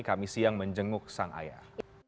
kami siang menjenguk sang ayah